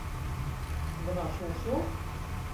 — Бына шул-шул.